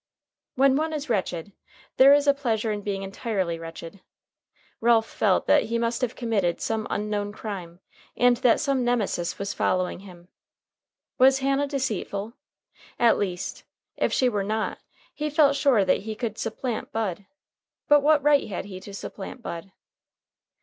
When one is wretched, there is a pleasure in being entirely wretched. Ralph felt that he must have committed some unknown crime, and that some Nemesis was following him. Was Hannah deceitful? At least, if she were not, he felt sure that he could supplant Bud. But what right had he to supplant Bud?